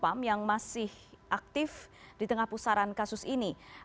propam yang masih aktif di tengah pusaran kasus ini